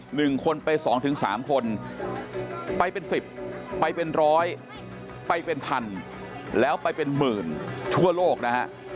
หนึ่งคนไป๒๓คนไปเป็น๑๐ไปเป็น๑๐๐ไปเป็น๑๐๐๐แล้วไปเป็นหมื่นทั่วโลกนะฮะ